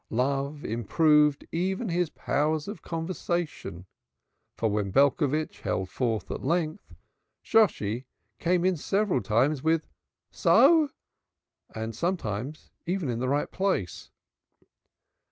Love improved even his powers of conversation, for when Belcovitch held forth at length Shosshi came in several times with "So?" and sometimes in the right place.